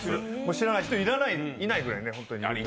知らない人はいないぐらいね。